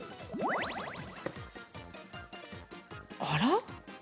あら？